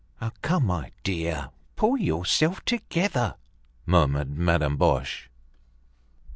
"Come, my dear, pull yourself together!" murmured Madame Boche.